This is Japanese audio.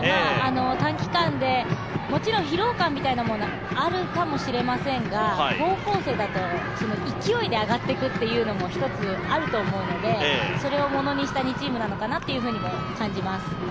短期間でもちろん疲労感みたいなものあるかもしれませんが高校生だと、その勢いで上がっていくというのも１つあると思うのでそれを物にした２チームなのかなと感じます。